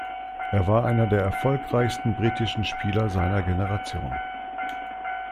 Er war einer der erfolgreichsten britischen Spieler seiner Generation.